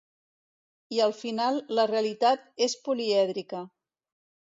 I al final la realitat és polièdrica.